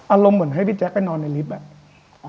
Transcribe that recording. อารมณ์เหมือนให้พี่แจ๊คไปนอนในลิฟต์อ่ะ